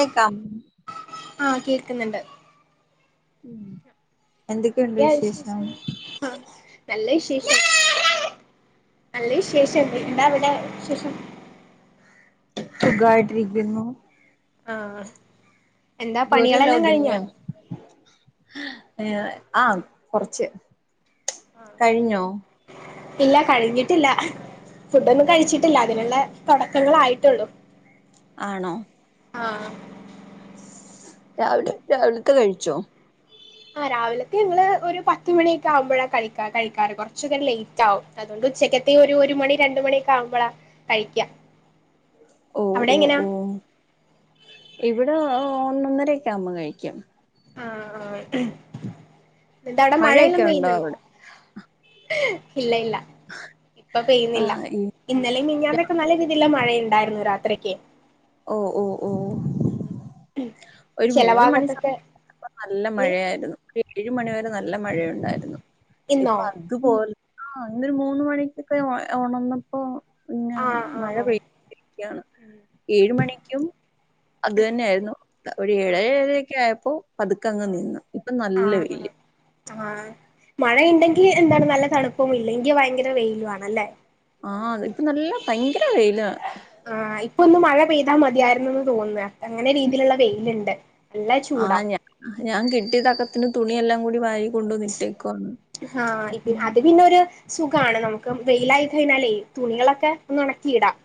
A കാം ആ കേക്കുന്നുണ്ട് ഉം എന്തൊക്കെയുണ്ട് വിശേഷം എന്ത്‌ക്ക്യാവിശേഷം ആ നല്ലഷ ഏഷം അല്ലേ ശേഷംഎന്താ അവിടെ ശേഷം സുഖായിട്ടിരിക്കുന്നു ആഹ് എന്താ പണികളെല്ലാം കഴിഞ്ഞോ എ ആ കൊറച്ച് കഴിഞ്ഞോ ഇല്ല കഴിഞ്ഞിട്ടില്ല ഫുഡൊന്നും കഴിച്ചിട്ടില്ല അതിനുള്ള തുടക്കങ്ങളായിട്ടുള്ളൂ ആണോ ആഹ് രാവിലെ രാവിലത്തെ കഴിച്ചോ ആ രാവിലത്തെ ഞങ്ങള് ഒരു പത്തുമണിയൊക്കെ ആവുമ്പോഴാ കഴിക്കാ കഴിക്കാറ് കുറച്ചൊക്കരം ലേറ്റ് ആവും അതുകൊണ്ട് ഉച്ചക്കത്തെയ ഒരു ഒരു മണി രണ്ട മണിയൊക്കെ ആവുമ്പോഴാ കഴിക്കാ ഓഹ് അവിടെ ഓഹ് എങ്ങനാ ഓഹ് ഇവിടെ ഒന്നൊന്നരക്കെ ആഉമ്പോ കഴിക്കും ആ ആ എന്ത അവിടെ മഴയൊക്കെ മഴയെല്ലാം ഉണ്ടോ പെയ്യുന്നുണ്ടോ അവിടെ ഇല്ല ഇല്ല ഇപ്പൊ പെയ്യുന്നില്ല ആഹ് ഇ ഇന്നലിം മിഞ്ഞാന്നൊക്കെ നല്ല രീതില്ല മഴയ ണ്ടായിരുന്നു രാത്രിക്ക് ഓ ഓ ഓ ഉം ഒരു മൂന്ന് മണി സമയ അപ്പ നല്ല എങ്ങനെ മഴയായിരുന്നു ഏഴ് മണിവരെ നല്ല മഴയുണ്ടായിരുന്നു ഇന്നോ ഇപ്പൊ അതുപോൽ ആഹ് ഇന്നൊരു മൂന്ന് മണിക്കൊക്കെഒ ഒണന്നപ്പോ പിന്ന ആഹ് മഴ ആഹ് പെയതിരിക്കാണ് ഏഴ് മണിക്കും അത് തന്നെയ ആയിരുന്നു ഒരു ഏഴ ആഹ് ഴ എ യ് ക്കെ ഏഴ പ്പോ പതുക്കെങ്ങ് ആഹ് നിന്നു ഇപ്പൊ നല്ല ആഹ് വെയില് ആഹ് മഴ യിണ്ടെങ്കി എന്താണ് നല്ല തണുപ്പും ഇല്ലെങ്കി ഭയങ്കര വെയിലു ആണല്ലേ ആഹ് ഇപ്പ നല്ല ഭയങ്കര വെയില ആഹ് ഇപ്പൊ ഒന്ന് മഴ പെയ്താൽ മതിയായിരുന്നുന്ന് തോന്നാ അങ്ങനെ രീതിയിലുള്ള വെയിലുണ്ട് നല്ല ചൂടാ ആഹ്ഞ ഞാൻ കിട്ടിയ തക്ക ത്തിന് തുണിയെല്ലാം കൂടി വാരി കൊണ്ടുവന്നിട്ടേക്കുവാണ് ഹാ അത് പിന്നൊരു സുഖാണ് നമുക്ക് വെയിലായി കഴിഞ്ഞാലേ തുണികളൊക്കെ ഒന്ന് ഉണക്കിയിടാം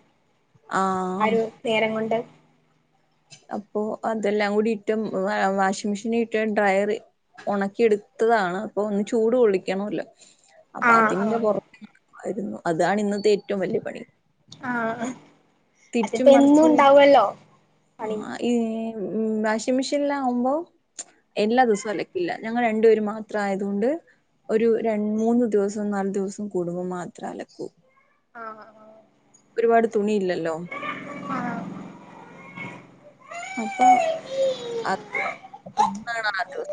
ആ ഒരു നേരം കൊണ്ട് അപ്പോ അതെല്ലാം കൂടിയിട്ട് വാഷിംഗ് മെഷീൻ ഇട്ട് ഡ്രയറിൽ ഉണക്കി എടുത്തതാണ് അപ്പൊ ഒന്ന് ചൂട് കൊള്ളിക്കണോല്ലോ അപ്പൊ ആഹ് അതിന്റെ ആഹ് പുറ [unintelligible] ആയിരുന്നു അതാണ് ഇന്നത്തെ ഏറ്റവും വലിയ പണി ആഹ് ആ തിരിച്ചും മറിച്ചു ഇ ആ പണി ഏ ഉം വാഷിംഗ് മെഷീൻല്ലാവുമ്പോ എല്ലാതൂസോം അലക്കില്ല ഞങ്ങൾ രണ്ടുപേര് മാത്രം ആയതുകൊണ്ട് ഒരു ര മൂന്ന് ദിവസവും നാലു ദിവസം കൂടുമ്പം മാത്രം അലക്കൂ ആഹ ഹാ ഒരുപാട് തുണിയില്ലല്ലോ ആഹ് അപ്പൊ അ [unintelligible]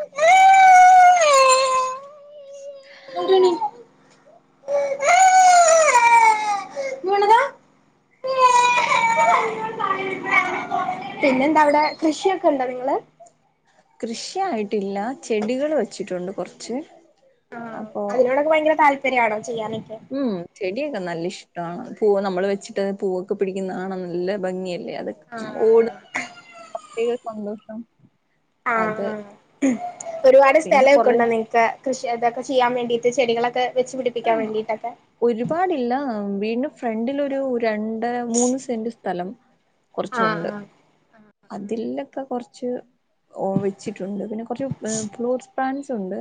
പിന്നെന്താ അവിടെ കൃഷിയൊക്കെ ഉണ്ടോ നിങ്ങള് കൃഷിയായിട്ടില്ല ചെടികള് വച്ചിട്ടുണ്ട് കുറച്ച് ആഹ് അപ്പോ അതിനോടൊക്കെ ഭയങ്കര താല് പര്യാണോ ഉം ചെടിയക്ക നല്ല ഇ ഇഷ്ടമാണ് പൂവ് നമ്മൾ വെച്ചിട്ട്ത് പൂവൊക്കെ പിടിക്കുന്നത് കാണാൻ നല്ല ഭംഗിയാരി ല്ലേ അതൊക്കെ ഓട് ആഹ് [unintelligible] [unintelligible] അത് ആണാണ് ഒരുപാട് പിന്നെ സ്ഥലൊക്കെ കൊറേ ഉണ്ടോ നിങ്ങക്ക് കൃഷി അതക്കെ ചെയ്യാൻ വേണ്ടീട്ട് ചെടികളൊക്കെ വെച്ച് പിടിപ്പിക്കാൻ ആഹ് വേണ്ടിട്ടൊക്കെ ഒരുപാടില്ല വീട്ൻ്റെ ഫ്രണ്ടിൽ ഒരു രണ്ടര മൂന്ന് സെന്റ് സ്ഥലം ആ കൊറച്ചുണ്ട് ആ അതിലൊക്കെ കൊറച്ച് ഓ വെച്ചിട്ടുണ്ട് പിന്നെ കുറച്ച് ഫ്ലൂട്സ് പാൻസ് ഉണ്ട്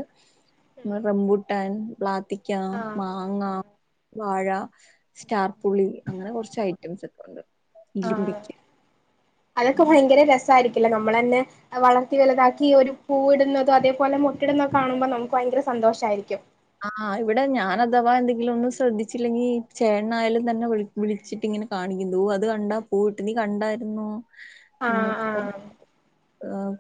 [unintelligible] റംബുട്ടാൻ ബ്ലാത്തി രക്കാ ആഹ് മാങ്ങ വാഴ സ്റ്റാർപുളി അങ്ങനെ കുറച്ച് ഐറ്റംസ് ഒക്കെ ഉണ്ട് ആ ഇലിമ്പിക്ക അതൊക്കെ അങ്ങനെ ഭയങ്കര രസായിരിക്കില്ലേ നമ്മള തന്നെ വളർത്തി വലുതാക്കി ഒരു പൂ ഇടുന്നതോ അതേപോലെ മൊട്ടിടുന്ന കാണുമ്പോൾ നമുക്ക് ഭയങ്കര സന്തോഷമായിരിക്കും ആഹ് ഇവിടെ ഞാൻ അഥവാ എന്തെങ്കിലും ഒന്നും ശ്രദ്ധിച്ചില്ലെങ്കി ചേട്ടൻ ആയാലും തന്നെ വി വിളിച്ചിട്ട് ഇങ്ങനെ കാണിക്കും ദോ അത് കണ്ടാ പൂവിട്ട് നീ കണ്ടായിരുന്നോ ആഹ് ന്നൊക്കെ ആഹ് പറഞ്ഞ ആഹ്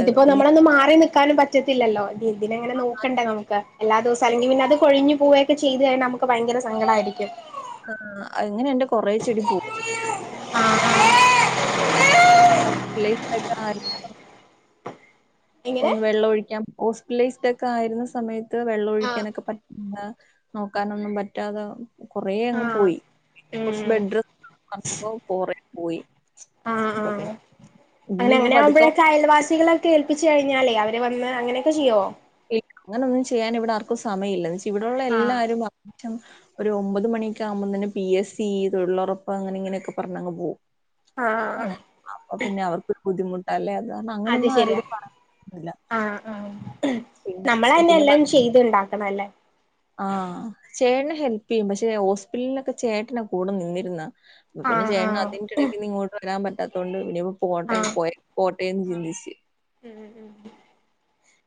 ഇതിപ്പോ നമ്മളൊന്ന് മാറി നിക്കാനും പറ്റു ത്തില്ലല്ലോ ഇതിനെങ്ങനെ നോക്കണ്ടേ നമക്ക് എല്ലാ ദിവസവും ആ, അല്ലെങ്കിൽ പിന്ന അത് കൊഴുഞ്ഞു പോവയൊക്കെ ചെയ്തു കഴിഞ്ഞാൽ നമുക്ക് ഭയങ്കരങ്കടമായിരിക്കും ആഹ എങ്ങന എന്റെ കൊറെ ചെടി പോയി ആഹ് ആഹ് ഹോസ്പിറ്റലൈസിഡ് ആയിരു [unintelligible] ഒന്ന് എങ്ങനെ വെള്ളം ഒഴിക്കാൻ ലെയ്‌സിഡ് ആയിരുന്ന സമയത്ത് ഇ വെള്ളം ആഹ് ഒഴിക്കാനൊക്കെ പറ്റുന്ന നോക്കാനൊന്നും പറ്റാതെ കൊറെ അങ്ങ് ആഹ് പോയി കൊറച്ച് ഉം ബെഡ് റെസ്‌റ്റ് ഒക്കെ പോയി ആഹ് അപ്പൊ ആഹ പിന്നെ അങ്ങനെ ഇനിയിപ്പ അങ്ങനെ പതുക്കെ ആവുമ്പോഴേക്കെ അയൽവാസികളൊക്കെ ഏൽപ്പിച്ചു കഴിഞ്ഞ ഞ്ഞാലേ അവര് വന്ന് അങ്ങനെയൊക്കെ ചെയ്യുവോ അങ്ങനെ ഒന്നും ചെയ്യൻ ഇവിടെ ആർക്കും സമയമല്ല ഇവിടെയുള്ള ആഹ് എല്ലാരും ഒരു ഒമ്പത് മണിയെക്ക ആകുമ്പോൾ തന്നെ പി എസ് സി തൊഴിലുറപ്പ് അങ്ങനെ ഇങ്ങനെയൊക്കെ പറഞ്ഞങ്ങ് പോകും ആഹ് ആഹ അൊ പിന്നെ അവർക്ക്ൊരു ബുദ്ധിമുട്ട പ അല്ലെെ അത് ശരിയാ ആ, ആ പിന്നെ നമ്മളന്നെ എല്ലാം ചെയ്തു ഉണ്ടാക്കണം, അല്ലേ ആ, ചേട്ടൻ ഹെൽപ് ചെയ്യും, പക്ഷെ ഹോസ്പിറ്റലിലൊക്കെ ചേട്ടന കൂടെ നിന്നിരുന്ന പിന്ന ആഹ് ചേട്ടന് ആഹ് അതിന്റെ ഇടയ്ക്ക്ന്ന് ഇങ്ങോട്ട് വരാൻ പറ്റ ഇാല്ലാത്തൊണ്ട് ഇനിയിപ്പം ഫുഡ പോട്ടെ ആഹ് പോ, പോട്ടെന്ന് ആഹ് ചിന്തിച്ച്. ഉം ഉം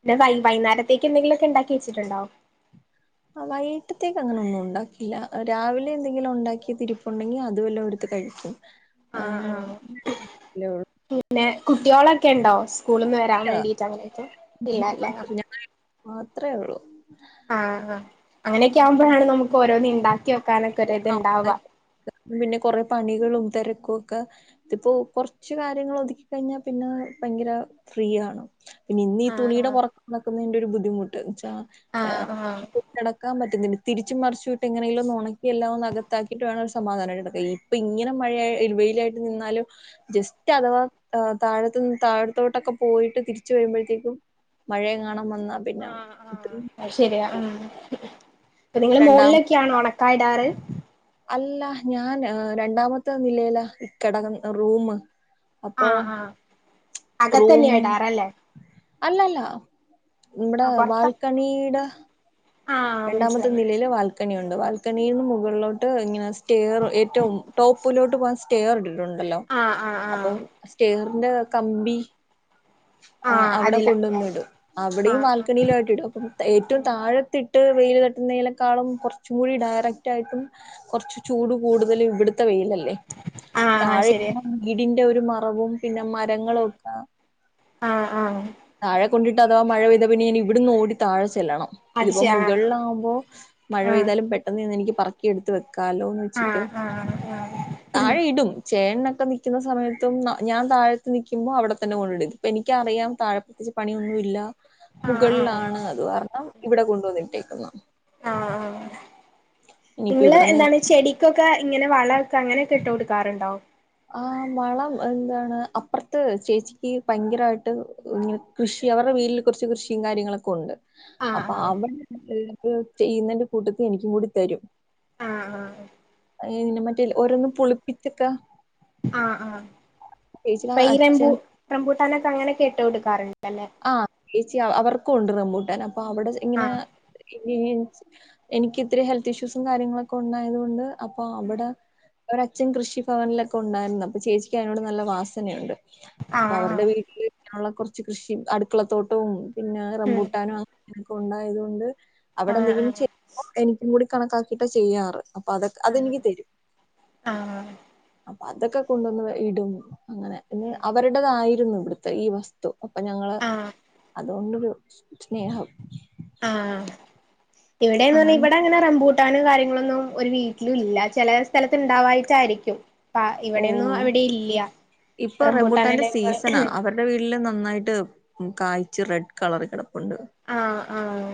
പിന്നെ വൈ വൈയ്യിന്നേരത്തേക്ക് എന്തെങ്കിലുമൊക്കെ ഉണ്ടാക്കി വെച്ചിട്ടുണ്ടോ? ആ, വൈകട്ടത്തേക്ക് അങ്ങനെ ഒന്നും ഉണ്ടാക്കില്ല, രാവിലെ എന്തെങ്കിലും ഉണ്ടാക്കി ഇരിപ്പൊണ്ടെങ്കിൽ അത് വല്ലതും എടുത്ത് കഴിക്കും. ആ ആഹ് ആഹ് പിന്നെ കുട്ടികളൊക്കെ ഉണ്ടോ? സ്കൂളിൽ നിന്ന് വരാൻ വേണ്ടീട്ട് അങ്ങനെയൊക്കെ ഇല്ല, അല്ലേ ഞാൻ മാത്രേ ഉള്ളൂ ആ, ആ അങ്ങനൊക്കെ അപ്പൊ ആകുമ്പോഴാണ് നമുക്ക് ഓരോന്ന് ഉണ്ടാക്കിയ ആ, പിന്നെ കൊറെ പണികളും തിരക്കൊക്കെ ഇതിപ്പോ കുറച്ച് കാര്യങ്ങൾ ഒതുക്കി കഴിഞ്ഞാൽ പിന്നെ ഭയങ്കര ഫ്രീ ആണ് പിന്നെ ഇന്ന് ഈ തുണിയുടെ ആഹ് പുറകെ നിക്കുന്നതിന്റെ ഒരു ബുദ്ധി ബുദ്ധിമുട്ട് ആഹ് ആഹ് കിടക്കൻ പറ്റ തിരിച്ച് മറിച്ചുവി എങ്ങനെയെങ്കിലും ഒന്ന് ഒണ എല്ലാം ഒന്ന് അകത്താക്കിയിട്ട് വേണം ഒരു സമാധാനമായിട്ട് കിടക്കാൻ, ഇപ്പൊ ഇങ്ങനെ മഴയ, വെയിലായിട്ട് നിന്നാലും ജസ്റ്റ് അഥവാ താഴത്ത്, താഴത്തോട്ടൊക്കെ പോയിട്ട് തിരിച്ചു വരുമ്പോഴത്തേക്കും മഴയങ്ങാനം വന്നാ പിന്നെ ഇത്രയും ആ പോകും. അപ്പ നിങ്ങള് രണ്ടാം മുകളിലേക്ക് ആണോ ഒണ ഇടാറ് അല്ല, ഞാൻ രണ്ടാമത്തെ നിലയിലാ കിടക റൂമ് ആ, അപ്പൊ ആ അകത്തന്നെയടാറല്ലേ അല്ല, അല്ല നമ്മുടെ പൊറത്ത ബാൽക്കണിയുടെ ആഹ് രണ്ടാമത്തെ മനസ്സിലായി നിലയിയില് വാൽക്കണിയുണ്ട്, വാൽക്കണിന്ന് ഇങ്ങനെ ഏറ്റവും ടോപ്പിലോട്ട് പോ [unintelligible] ഉണ്ട് ഉണ്ടല്ലോ ആഹ് ആഹ് ആഹ് അപ്പം, സ്‌റ്റേ റൂ പിന്റെ കമ്പി ആ് ആഹ് അവിടെ അതിലൊക്കെ കൊണ്ടുവന്നിടും ആയിട്ട് അവിടെയും ആഹ് ബാൽക്കണിയില ആട്ടിടും അപ്പം ഏറ്റവും ആഹ് താഴത്തിട്ട് വെൽ കട്ടുന്നതിനക്കാളും കുറച്ച കൂടി ഡയറക്റ്റയിയിട്ടും കുറച്ച് ചൂട് കൂടുതല ഇവിടു വെയിലല്ലേ ആഹ് ആഹ് ശരിയാ താഴെടി ഒരു മറവും പിന്നെ മരങ്ങളൊക്കെ ആഹ് ആഹ് തഴ കൊണ്ടിട്ട്ഥവാ മഴ പെയതാ പിന്ന ഞ ഇവിന്ന് ഓടി താഴെല്ലണം അത് ഇപ്പ ശ ആഹ് മുകളിലാകുമ്പോൾ മഴ പെയ്താലും പെട്ടെന്ന് തന്ന് എനിക്ക് പറക്കിയെടുത്ത് വ കാലോന്ന് വെച്ചിട്ട് ആഹ് ആഹ് ആഹ് ആഹ് താഴെയിടും ചേ അക്കെ നിക്കുന്ന സമയത്തും ഞാൻ താഴത്ത് നിക്കുമ്പോൾ അവിടെത്തന്നെ കൊണ്ട ഇപ്പോ എിക്കറിയാം താഴ പ്രത്യേി പണിയൊന്നുംുമല്ല ആഹ് ആഹ് മുകളിലാണ് അത് കാരണം ഇവിടെണ്ട് ട്ടിക്ക ആഹ ആ ഇനിയിപ്പോ നിങ്ങള് ഇവിടെ നിന്ന് എന്താണ് ചെടിക്കൊക്കെ ഇങ്ങനെ വളൊക്കെ അങ്ങനെ കെട്ട് കൊടുക്കാറുണ്ടാവും ആ മളം എന്താണ് അപ്പുറത്ത് ചേച്ചിക്ക് ഭയങ്കരമായിട്ട്െ കൃഷി അവരുടെ വീട്ടിൽ കുറച്ച് കൃഷിയും കാര്യങ്ങളൊക്കെ ഉണ്ട് ആഹ് അപ്പൊ ആഹ് അവടെ ചെയ്യുന്നന്റെ കൂട്ടത്ത് എനിക്കും കൂടി തരും ആഹ് ആഹ് ഇെ മറ്റേ ഓരോന്നും പുളിപ്പിച്ചക്കെ ആഹ് ആഹ് അപ്പൊ ഈൂ അച്ഛൻ മ്പൂട്ടാനൊക്കെ അങ്ങനെ കേെട്ട് കൊടുക്കാറുണ്ട് ആഹ ചേച്ചിയ അവർ കൊണ്ട നമ്മൂട്ടാ അപ്പൊ അവിടെ ഇങ്ങനെ ആഹ് എനിക്ക് ഇത്രയും ഹെൽത്ത് ഇഷ്യൂസും കാര്യങ്ങളൊക്കെ ഉണ്ടായത്ുക കൊണ്ട് അപ്പൊ അവിടെ ഒരച്ഛൻ കൃഷി ഭവനിലൊക്കെ ഉണ്ടായിരുന്നു അപ്പൊ ചേച്ചിിക്കും അതിനോട് നല്ല വാസനയുണ്ട് അപ്പൊ അവരുടെ ആഹ് വീട്ടില് കുറച്ച് കൃഷി അടുക്കളത്തോട്ടവും പിന്നെ ഉം റംമ്പൂട്ടാനും അങ്ങന ഉണ്ടായത്ുകൊണ്ട് അവിടെ ആഹ് എന്തെങ്കിലും ആഹ് ചെയ്യ എനിക്കും കൂടി കണക്കാക്കിയിട്ട് ചെയ്യാറ് അപ്പൊ അതൊക്കെ അതെനിക്ക് തരും ആഹ് അ അതൊക്കെ കൊണ്ടുവന്ന് ഇടും അങ്ങനെ ഇന്ന് അവരുടേതായിരുന്നു ഇവിടുത്തെ ഈ വസ്തു അപ്പൊ ഞങ്ങള് ആഹ് അതുകൊണ്ടൊരു സ്നേഹം ആഹ ഇവിടെന്ന്ഞ്ഞാ അങ്ങനെ ഇവിടെ അങ്ങനെറമ്പൂ കട്ടാനും കാര്യങ്ങളൊന്നും ഒരു വീട്ടിലും ഇല്ല ചില സ്ഥലത്ത് ഉണ്ടാവായിട്ടായിരിക്കും ഓ ഇപ്പൊ റെംബുട്ടാന്റെ റംബൂട്ടാനലൊക്കെ സീസണാ അവരുടെ വീട്ടില് നന്നായിട്ട് കായ്ച്ച് റെഡ് കളർ ഇടണം ആഹ ആഹ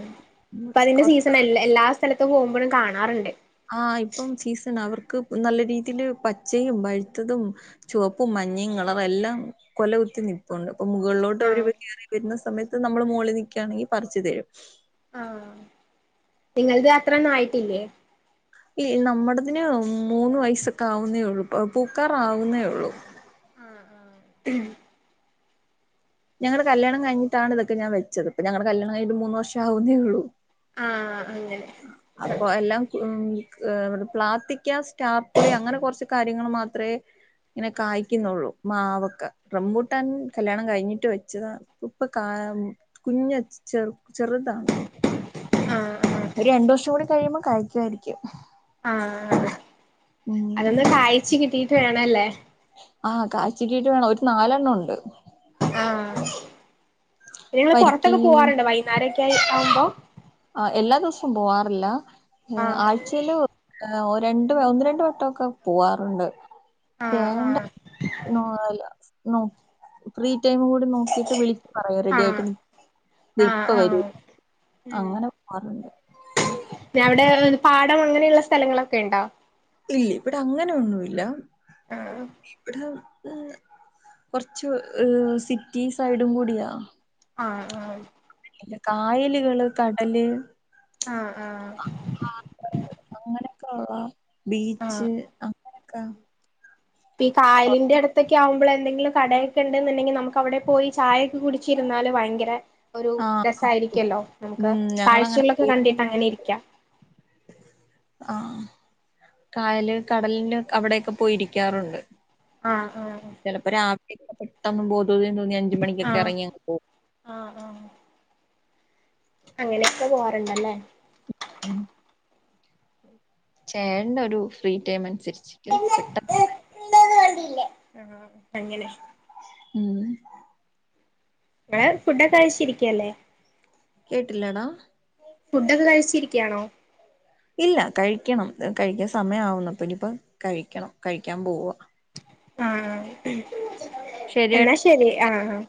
ഇപ്പൊ അതിന്റെ കൊറച്ച് സീസൺ എ എല്ലാ സ്ഥലത്ത് പോകുമ്പോഴും കാണാറുണ്ട് ആഹ ഇപ്പം സീസൺ അവർക്ക് നല്ല രീതിൽ പച്ചയും വഴുത്തതും ചുവപ്പും മഞ്ഞയും കളറ എല്ലാം കൊല കുുത്തി നിപ്പുണ്ട് ഇപ്പൊ മുകളിലോട്ട് അവരി ആഹ് കയറി വരുന്ന സമയത്ത് നമ്മള് മുകളിൽ നൽക്കുകയാണെങ്കിൽ പറിച്ചു തരും ആഹ നിങ്ങത് അത്ര ഒന്നും ആയിട്ടില്ലേ ഈ നമ്മടതിന് മൂന്ന് വയസൊക്കെ ആവുന്നേ ഉള്ളു പൂക്കാറ ആാവുന്നേ ഉള്ളു ആഹ ആഹ ഞങ്ങളുടെ കല്യാണം കഴഞ്ഞിട്ടാണ് ഇൊക്കെ ഞാൻെച്ചത് ഇപ്പ ഞങ്ങളുടെ കല്യാ കിഞ്ഞട്ട്ൂന്ന് വർഷമാവുന്നേ ഉള്ളൂ ആഹ് അങ്ങനെ അപ്പൊ എല്ലാം പ്ലാറ്റക്ാ ചാർപ്പളി അങ്ങെ കുറച്ച് ക യ മാേ ഇങ്ങനെ കായ്ക്കുന്നുള്ളൂ മാവൊക്കെ റംബൂട്ടാൻ കല്യാണം കഴിഞ്ഞിട്ട് റ്റ വെച്ചതാ ഇപ്പൊ കുഞ്ഞ ചേറ ചെറുതാണ് ആഹ് ആഹ് ഒരു രണ്ടു വർഷം കൂടി കഴിയുമ്പോം കഴിക്കുായിരിക്കും ആഹ അതൊന്ന് കായ്ച്ച കിട്ടി വേണല്ലേ ആഹ് കാച്ചക്ക്ീട്ട് വേണം ഒരു നാലെണ്ണം ഉണ്ട് ആഹ നിങ്ങൾ പുറത്തൊക്കെ വരിക്ക പോവാറുണ്ട് വൈകുന്നേരക്കെ ശരി അമ്പോ ആ എല്ലാ ദിവസവും പോവാറില്ല ആഹ ആഹ് ആച്ചല ആ രണ്ട് ഒന്ന് രണ്ട് വട്ടം ഒക്കെ പോവാറുണ്ട് ആഹ് രണ്ടോ ആഹ് നോാല ന പ്രീ ഇതിന്റെ കൂടെ കൂടി നോക്കിട്ട് വിളിച്ചു പറയാം റെഡി ആയിട്ട് ആഹ് ഇത് ഇപ്പ ആഹ് വര ആഹ് ഉം അങ്ങനെ പോകാറുണ്ട് അവിടെ പാടം അങ്ങനെയുള്ള സ്ഥലങ്ങളൊക്കെ ഉണ്ടോ ഇല്ല ഇവിടെ അങ്ങനെ ഒന്നുല്ല ആഹ് ഇവിടെ കുറച്ച് സിറ്റി സൈഡും കൂടിയാ ആ ആഹ് ഇല്ല കായലുകള് കടല് ആഹ് ആഹ് അങ്ങനെ ആ ആഹ് ബീച്ച് അക്ക ഒക്കെ ആകുമ്പോൾ എന്തെങ്കിലും കടയൊക്കെ ഉണ്ടെന്നുണ്ടെങ്കിൽ നമുക്ക് അവിടെ പോയി ചായൊക്കെ കുടിച്ച് ഇരുന്നാൽ ഭയങ്കര ഒരു ആഹ് രസമായിയിരിക്കല്ലോ നമുക്ക് ഉം ഞങ്ങളങ്ങനെ കാഴ്ചകളൊക്കെ പോയി കണ്ടിട്ട് അങ്ങനെ ഇരിക്കാം ആഹ് കായല് കടലിന് അവിടെയൊക്കെ പോയി ഇരിക്കാറുണ്ട് ആഹ് ആഹ് ചിലപ്പോൾ രാ [unintelligible] [unintelligible] പോവാൻ തോന്നിയാൽ അഞ്ച് മണിക്കൊക്കെ ആഹ് ഇറങ്ങിയങ്ങ് പോകും ആഹ് ആഹ് അങ്ങനെയൊക്കെ പോവാറുണ്ടല്ലേ ഉം ചേട്ടനൊരു ഫ്രീ ടൈം അനുസരിച്ച് പെട്ട [inaudible] ആ അങ്ങനെ ഉം നിങ്ങള് ഫുഡൊക്കെ കഴച്ചിരിക്കുവല്ലേ കേട്ടില്ല ഡാ ഫുഡൊക്കെ കഴിച്ചിരിക്കയാണോ ഇല്ല കഴിക്കണം കഴിക്കാൻ സമയം ആവുന്നപ്പ ഇനിയിപ്പ കഴിക്കണം കഴിക്കാൻ പോവുവ ആഹ് ശരിയെടാ എന്നാ ശരി ആഹ് ആ ഉം